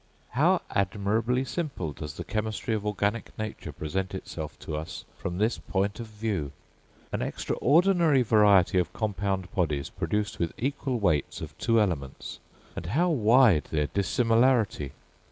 How admirably simple does the chemistry of organic nature present itself to us from this point of view! An extraordinary variety of compound bodies produced with equal weights of two elements! and how wide their dissimilarity!